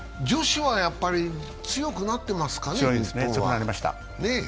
女子はやっぱり強くなってますかね。